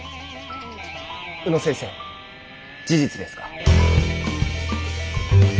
宇野先生事実ですか？